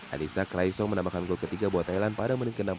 adisa klaesong menambahkan gol ketiga buat thailand pada menit ke enam puluh lima